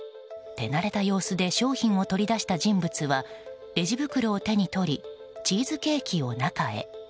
手慣れた様子で商品を取り出した人物はレジ袋を手に取りチーズケーキを中へ。